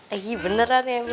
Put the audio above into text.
eh beneran ya bu